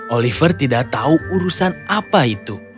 oliver tidak tahu urusan apa itu